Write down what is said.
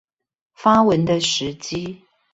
發文的時機